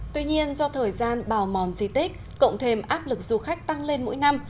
tuy nhiên do thời gian bào mòn di tích cộng thêm áp lực du khách tăng lên mỗi năm